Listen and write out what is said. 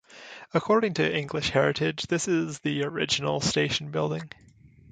According to English Heritage, this is the original station building.